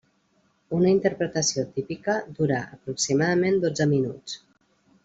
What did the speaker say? Una interpretació típica dura aproximadament dotze minuts.